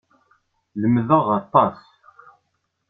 Lemmdeɣ aṭas.